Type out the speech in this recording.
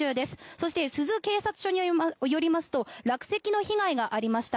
そして珠洲警察署によりますと落石の被害がありました。